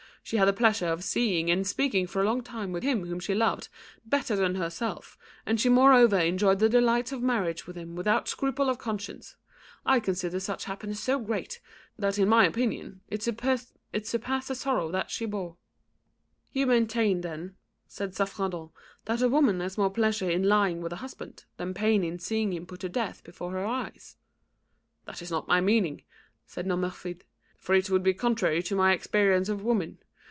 She had the pleasure of seeing and speaking for a long time with him whom she loved better than herself, and she moreover enjoyed the delights of marriage with him without scruple of conscience. I consider such happiness so great, that in my opinion it surpassed the sorrow that she bore." "You maintain, then," said Saffredent, "that a woman has more pleasure in lying with a husband, than pain in seeing him put to death before her eyes." "That is not my meaning," said Nomerfide, "for it would be contrary to my experience of women.